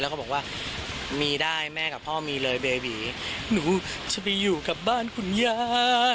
แล้วก็บอกว่ามีได้แม่กับพ่อมีเลยเบบีหนูจะไปอยู่กับบ้านคุณย่า